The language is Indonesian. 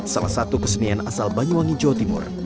salah satu kesenian asal banyuwangi jawa timur